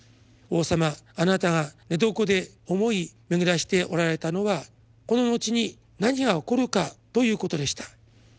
王様あなたが寝床で思い巡らしておられたのはこの後に何が起こるかということでした。